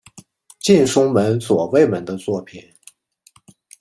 近松门左卫门的作品。